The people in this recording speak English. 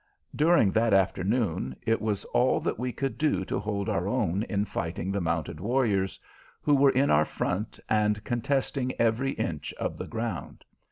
During that afternoon it was all that we could do to hold our own in fighting the mounted warriors, who were in our front and contesting every inch of the ground.